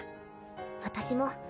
私も。